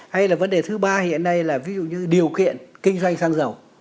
hay là vấn đề thứ ba hiện nay là ví dụ như điều kiện kinh doanh xăng dầu